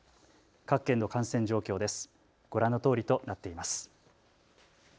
各県の感染状況です。